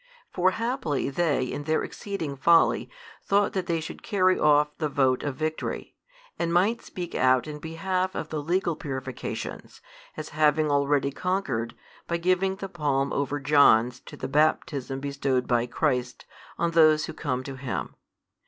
For haply they in their exceeding folly thought that they should carry off the vote of victory, and might speak out in behalf of the legal purifications, as having already conquered, by giving the palm over John's to the Baptism bestowed by Christ on those who come to Him.